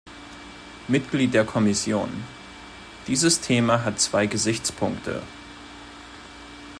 Mitglied der Kommission. Dieses Thema hat zwei Gesichtspunkte.